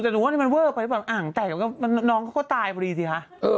แต่หนูว่านี่มันเวอร์ไปแบบอ่างแตกน้องเขาก็ตายพอดีสิคะ